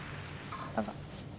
どうぞ。